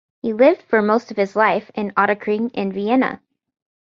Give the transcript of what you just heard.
He lived for most of his life in Ottakring in Vienna.